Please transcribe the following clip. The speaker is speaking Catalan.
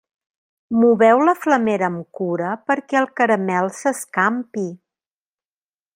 Moveu la flamera amb cura perquè el caramel s'escampi.